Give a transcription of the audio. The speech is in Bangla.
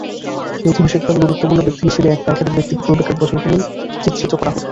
ঐতিহাসিকভাবে গুরুত্বপূর্ণ ব্যক্তি হিসেবে এক বা একাধিক ব্যক্তিকে পূর্বেকার বছরগুলোয় চিত্রিত করা হতো।